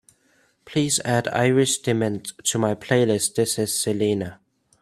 Please add Iris DeMent to my playlist this is selena